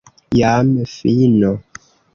Jam fino!